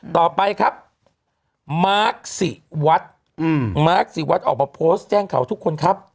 ต่อไปครับมาร์คศิวัฒน์มาร์คศิวัฒน์ออกมาโพสต์แจ้งข่าวทุกคนครับ